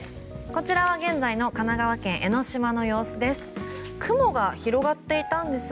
こちらは現在の神奈川県・江の島の様子です。